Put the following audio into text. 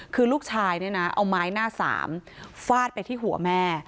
คือลูกชายเนี่ยนะเอาไม้หน้าสามฟาดไปที่หัวแม่